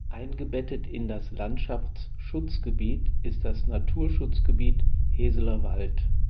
Eingebettet in das Landschaftsschutzgebiet ist das Naturschutzgebiet Heseler Wald.